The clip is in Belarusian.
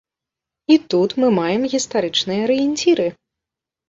І тут мы маем гістарычныя арыенціры.